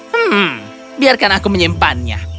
hmm biarkan aku menyimpannya